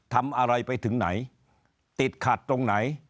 ทำอะไรไปถึงไหนติดขัดตรงไหน